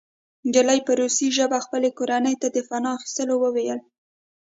نجلۍ په روسي ژبه خپلې کورنۍ ته د پناه اخیستلو وویل